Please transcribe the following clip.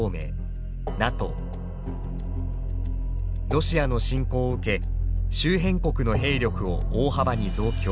ロシアの侵攻を受け周辺国の兵力を大幅に増強。